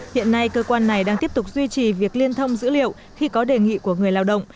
hiện nay cơ quan này đang tiếp tục duy trì việc liên thông dữ liệu khi có đề nghị của người lao động